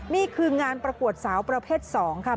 นี่คืองานประกวดสาวประเภท๒ค่ะ